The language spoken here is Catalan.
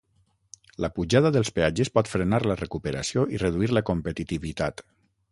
La pujada dels peatges pot frenar la recuperació i reduir la competitivitat.